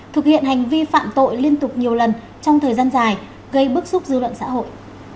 thực hiện hành vi phạm tội liên tục nhiều lần trong thời gian dài gây bức xúc dư luận xã hội